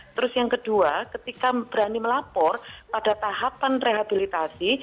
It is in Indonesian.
terus yang kedua ketika berani melapor pada tahapan rehabilitasi